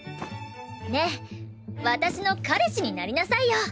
ねえ私の彼氏になりなさいよ！